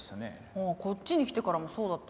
ああこっちに来てからもそうだったよね。